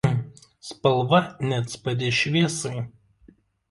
Spalva neatspari šviesai.